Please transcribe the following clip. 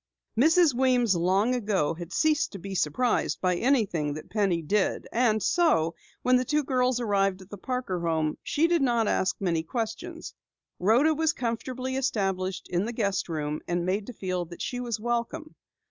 Mrs. Weems long ago had ceased to be surprised by anything that Penny did, and so, when the two girls arrived at the Parker home, she did not ask many questions. Rhoda was comfortably established in the guest room and made to feel that she was welcome.